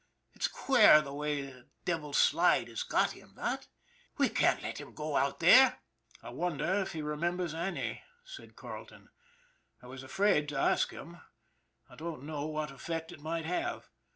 It's queer the way that Devil's Slide has got him, what? We can't let him go out there." " I wonder if he remembers Annie," said Carleton. " I was afraid to ask him. I didn't know what effect it might have.